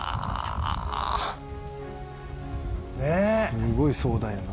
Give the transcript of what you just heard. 「すごい壮大やな」